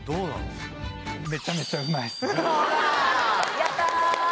やった！